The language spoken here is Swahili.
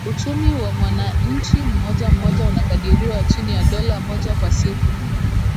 Uchumi wa mwananchi mmoja mmoja unakadiriwa chini ya dola moja kwa siku